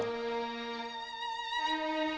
ketika itu ia adalah anggota pemuda muslim